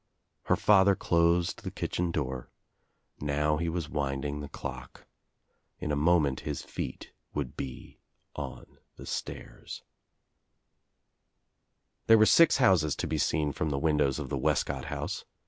Her father closed the kitchen door. Now he was winding the clock. In a moment his feet would be on the stairs — There were six houses to be seen from the windows of the Wescott house.